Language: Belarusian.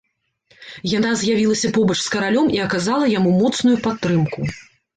Яна з'явілася побач з каралём і аказала яму моцную падтрымку.